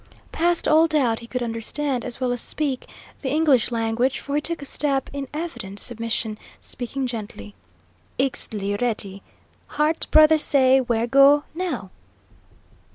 Past all doubt he could understand, as well as speak, the English language, for he took a step in evident submission, speaking gently: "Ixtli ready; heart brother say where go, now."